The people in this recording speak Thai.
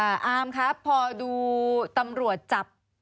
อามครับพอดูตำรวจจับ